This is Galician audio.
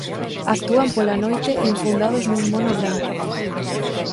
Actúan pola noite enfundados nun mono branco.